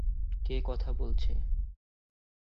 কে কথা বলছে?